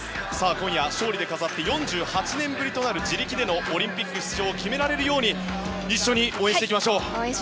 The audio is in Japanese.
今夜、勝利で飾って４８年ぶりとなる自力でのオリンピック出場を決められるように一緒に応援していきましょう！